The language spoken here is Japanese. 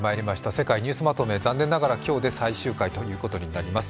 世界ニュースまとめ、残念ながら今日で最終回ということになります